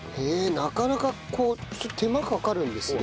なかなかこう手間かかるんですね。